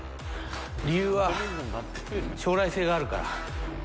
理由は、将来性があるから。